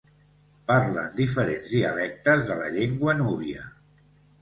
Parlen diferents dialectes de la llengua núbia.